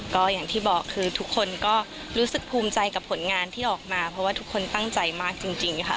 ก็อย่างที่บอกคือทุกคนก็รู้สึกภูมิใจกับผลงานที่ออกมาเพราะว่าทุกคนตั้งใจมากจริงค่ะ